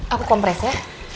aku kompres ya